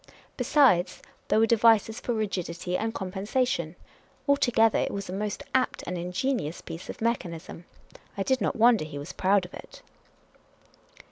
Besides, there were devices for rigidity and compensation. Altogether, it was a most apt and ingenious piece of mechan ism. I did not wonder he was proud of it.